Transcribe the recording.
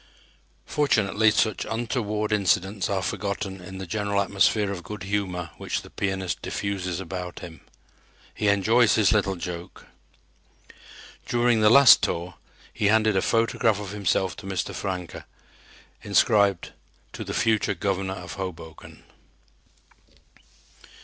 Fortunately such untoward incidents are forgotten in the general atmosphere of good humor which the pianist diffuses about him. He enjoys his little joke. During the last tour he handed a photograph of himself to Mr. Francke inscribed: "To the future Governor of Hoboken."